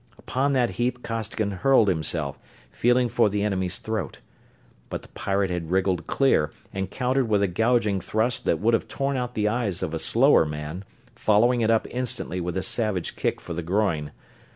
Upon that heap Costigan hurled himself, feeling for the enemy's throat. But the pirate had wriggled clear, and countered with a gouging thrust that would have torn out the eyes of a slower man, following it up instantly with a savage kick for the groin.